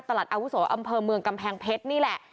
อาวุโสอำเภอเมืองกำแพงเพชรนี่แหละ